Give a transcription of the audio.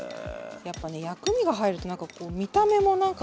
やっぱね薬味が入ると何かこう見た目も何か。